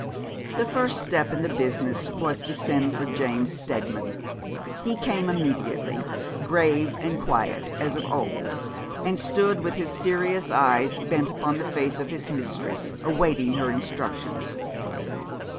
The first step in the business was to send for James Steadman. He came immediately, grave and quiet as of old, and stood with his serious eyes bent upon the face of his mistress, awaiting her instructions.